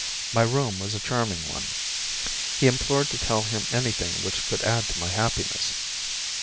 My room was a charming one. He implored me to tell him anything which could add to my happiness.